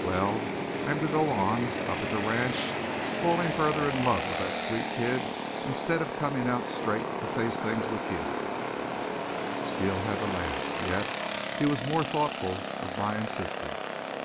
Well, I'm to go on, up at the ranch, falling further in love with that sweet kid instead of coming out straight to face things with you?" Steele had to laugh, yet he was more thoughtful of my insistence.